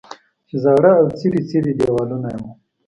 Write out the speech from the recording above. چې زاړه او څیري څیري دیوالونه یې وو.